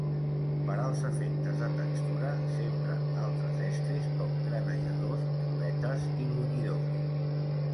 Per als efectes de textura s'empren altres estris, com granejadors, ruletes i brunyidors.